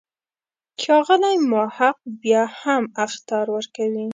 ښاغلی محق بیا هم اخطار ورکوي.